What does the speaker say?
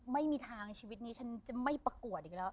ไม่มีทางชีวิตนี้ฉันจะไม่ประกวดอีกแล้ว